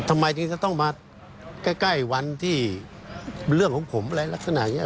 ทำไมถึงจะต้องมาใกล้วันที่เรื่องของผมอะไรลักษณะอย่างนี้